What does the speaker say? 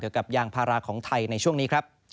กับยางพาราของไทยในช่วงนี้ครับ